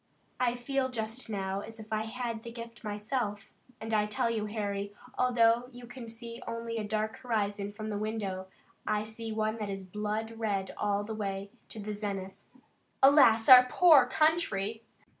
I feel just now as if I had the gift myself, and I tell you, Harry, although you can see only a dark horizon from the window, I see one that is blood red all the way to the zenith. Alas, our poor country!"